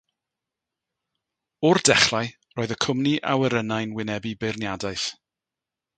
O'r dechrau, roedd y cwmni awyrennau'n wynebu beirniadaeth.